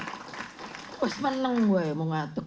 terus meneng gue ya mau ngatuk